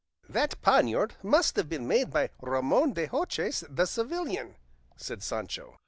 "That poniard must have been made by Ramon de Hoces the Sevillian," said Sancho.